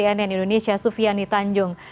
cnn indonesia sufiani tanjung